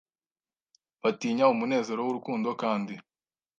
batinya umunezero wurukundo Kandi